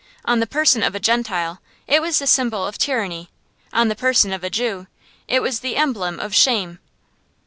On the person of a Gentile, it was the symbol of tyranny; on the person of a Jew, it was the emblem of shame.